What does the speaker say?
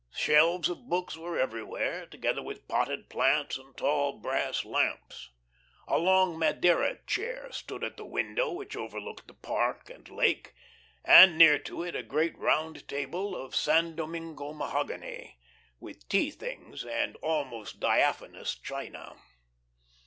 Shelves of books were everywhere, together with potted plants and tall brass lamps. A long "Madeira" chair stood at the window which overlooked the park and lake, and near to it a great round table of San Domingo mahogany, with tea things and almost diaphanous china.